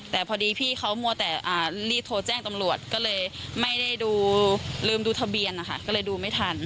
แต่พอดีพี่เขามัวแต่รีบโทรแจ้งตำรวจก็เลยไม่ได้ดูลืมดูทะเบียนนะคะก็เลยดูไม่ทัน